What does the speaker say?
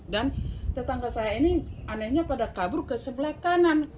dan tetangga saya ini anehnya pada kabur ke sebelah kanan